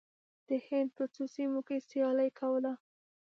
د هند په څو سیمو کې سیالي کوله.